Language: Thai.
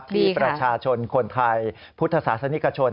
ที่ประชาชนคนไทยพุทธศาสนิกชน